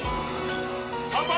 乾杯！